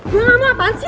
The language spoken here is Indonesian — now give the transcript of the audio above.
gue gak mau apaan sih